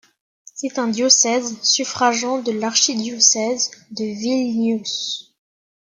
C'est un diocèse suffragant de l'archidiocèse de Vilnius.